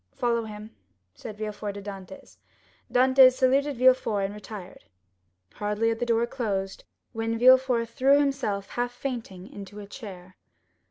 "Follow him," said Villefort to Dantès. Dantès saluted Villefort and retired. Hardly had the door closed when Villefort threw himself half fainting into a chair.